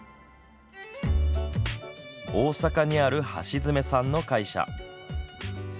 大阪にある橋爪さんの会社。